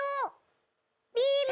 ビーム！